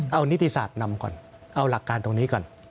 เอานิติศาสตร์นำก่อนเอาหลักการตรงนี้ก่อน